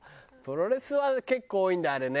プロレスは結構多いんだよあれね。